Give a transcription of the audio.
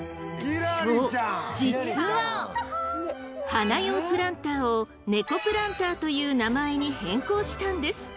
そう実は花用プランターをネコプランターという名前に変更したんです。